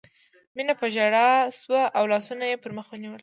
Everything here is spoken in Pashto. مينه په ژړا شوه او لاسونه یې پر مخ ونیول